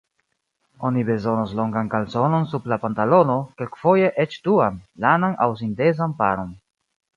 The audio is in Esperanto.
Oni bezonos longan kalsonon sub la pantalono, kelkfoje eĉ duan, lanan aŭ sintezan paron.